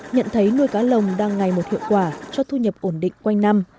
nhận thấy nuôi cá lồng đang ngày một hiệu quả cho thu nhập ổn định quanh năm